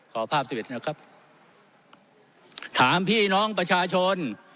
ขอภาพสิบเอ็ดนะครับถามพี่น้องประชาชน